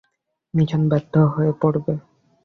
Mission ব্যর্থ হয়ে পড়বে।